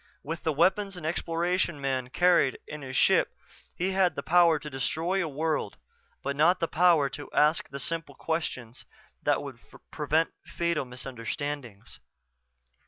With the weapons an Exploration man carried in his ship he had the power to destroy a world but not the power to ask the simple questions that would prevent fatal misunderstandings.